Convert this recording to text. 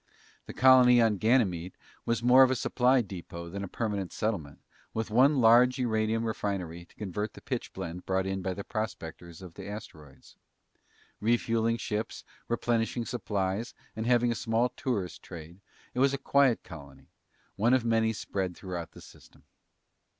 The colony on Ganymede was more of a supply depot than a permanent settlement, with one large uranium refinery to convert the pitchblende brought in by the prospectors of the asteroids. Refueling ships, replenishing supplies, and having a small tourist trade, it was a quiet colony, one of many spread throughout the system.